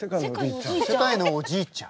世界のおじいちゃん。